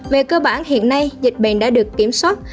về cơ bản hiện nay dịch bệnh đã được kiểm soát